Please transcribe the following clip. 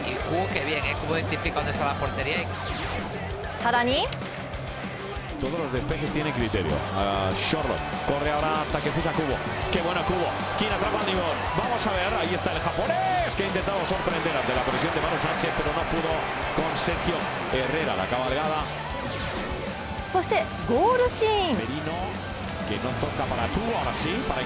更にそして、ゴールシーン。